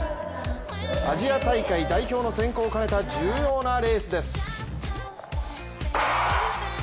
アジア大会代表の選考を兼ねた重要なレースです。